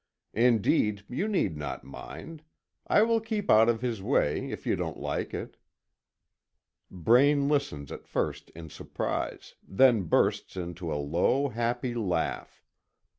Indeed, you need not mind. I will keep out of his way, if you don't like it." Braine listens at first in surprise, then bursts into a low, happy laugh.